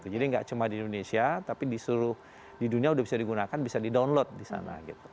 nggak cuma di indonesia tapi di seluruh dunia sudah bisa digunakan bisa di download di sana